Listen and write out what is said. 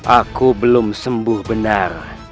aku belum sembuh benar